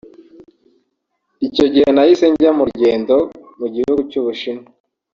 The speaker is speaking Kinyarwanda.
Icyo gihe nahise njya mu rugendo mu gihugu cy’u Bushinwa